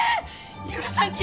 許さんき！